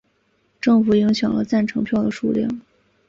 政府影响了赞成票的数量。